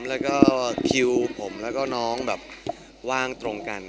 แล้วก็คิวผมแล้วก็น้องแบบว่างตรงกัน